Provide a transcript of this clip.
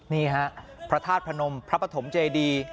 นี่ครับพระธาตุพระนมพระพระธมเจดีย์